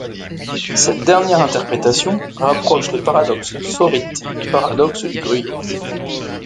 Cette dernière interprétation rapproche les paradoxes sorites du paradoxe du gruyère.